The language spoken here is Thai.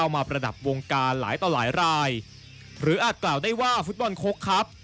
มาประดับวงการหลายต่อหลายรายหรืออาจกล่าวได้ว่าฟุตบอลโค้กครับ